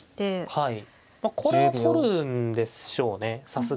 はい。